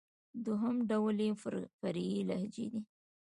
دوهم ډول ئې فرعي لهجې دئ.